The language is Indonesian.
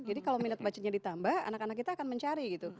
kalau minat bacanya ditambah anak anak kita akan mencari gitu